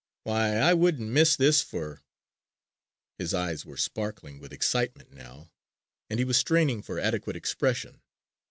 Why, I wouldn't miss this for " His eyes were sparkling with excitement now and he was straining for adequate expression.